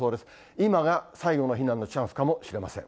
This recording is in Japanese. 今が最後の避難のチャンスかもしれません。